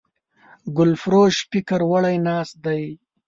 ګلفروش فکر وړی ناست دی